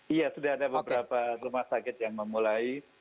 iya sudah ada beberapa rumah sakit yang memulai